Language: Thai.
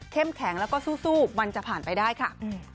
แข็งแล้วก็สู้มันจะผ่านไปได้ค่ะ